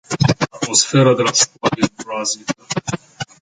Atmosfera de la școală e groaznică.